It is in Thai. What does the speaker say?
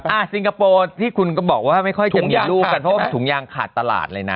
สิงคโปร์ที่คุณก็บอกว่าไม่ค่อยจะมีลูกกันเพราะว่าถุงยางขาดตลาดเลยนะ